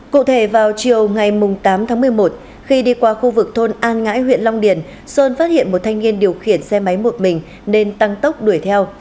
cụ thể vào chiều ngày tám tháng một mươi một khi đi qua khu vực thôn an ngãi huyện long điền sơn phát hiện một thanh niên điều khiển xe máy một mình nên tăng tốc đuổi theo